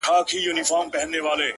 د شرابو خُم پر سر واړوه یاره;